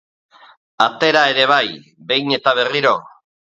Atera ere bai, behin eta berriro.